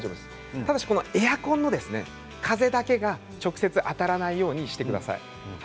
ただしエアコンの風が直接当たらないようにしてください。